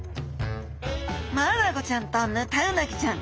マアナゴちゃんとヌタウナギちゃん